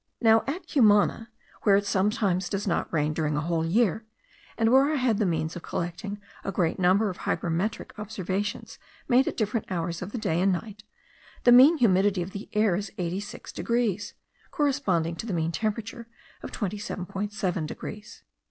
Now at Cumana, where it sometimes does not rain during a whole year, and where I had the means of collecting a great number of hygrometric observations made at different hours of the day and night, the mean humidity of the air is 86 degrees; corresponding to the mean temperature of 27.7 degrees.